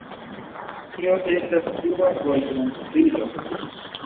Tio estas dua vojmontrilo.